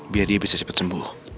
biar dia bisa cepat sembuh